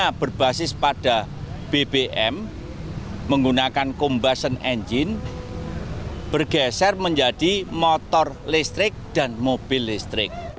karena berbasis pada bbm menggunakan combustion engine bergeser menjadi motor listrik dan mobil listrik